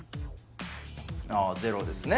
あゼロですね